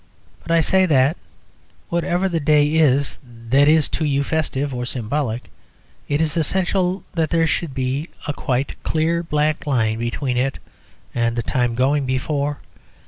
But I say that whatever the day is that is to you festive or symbolic, it is essential that there should be a quite clear black line between it and the time going before.